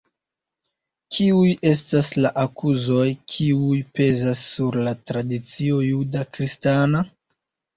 Kiuj estas la akuzoj kiuj pezas sur la tradicio juda kristana?